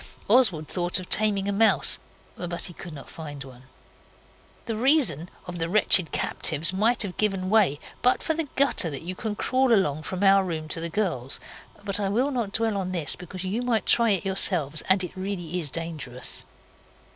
Oswald thought of taming a mouse, but he could not find one. The reason of the wretched captives might have given way but for the gutter that you can crawl along from our room to the girls'. But I will not dwell on this because you might try it yourselves, and it really is dangerous.